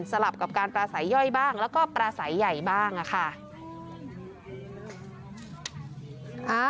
ลับกับการปราศัยย่อยบ้างแล้วก็ปราศัยใหญ่บ้างค่ะ